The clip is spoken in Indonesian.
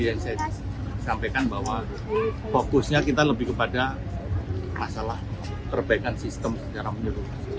yang saya sampaikan bahwa fokusnya kita lebih kepada masalah perbaikan sistem secara menyeluruh